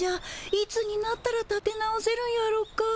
いつになったらたて直せるんやろか。